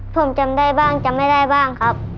ผมจำได้บ้างจำไม่ได้บ้างครับ